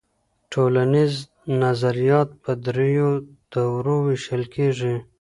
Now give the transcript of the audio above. ټولنیز نظریات په درېیو دورو وېشل کيږي.